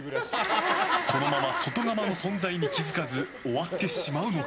このまま外釜の存在に気づかず終わってしまうのか？